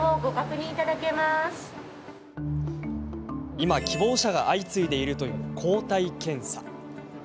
今、希望者が相次いでいるという抗体検査。